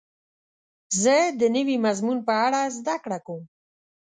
زه د نوي مضمون په اړه زده کړه کوم.